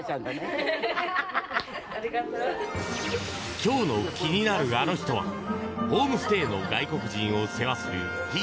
今日の気になるアノ人はホームステイの外国人を世話するひー